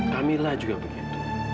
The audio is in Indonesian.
kamila juga begitu